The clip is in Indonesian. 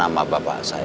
iya kenal denny